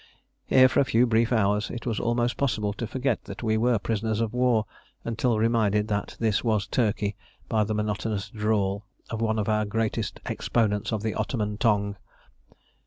Here for a few brief hours it was almost possible to forget that we were prisoners of war, until reminded that this was Turkey by the monotonous drawl of one of our greatest exponents of the Ottoman tongue.